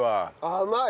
甘い。